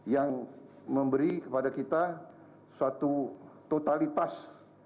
yang memberi kepada kita suatu totalitas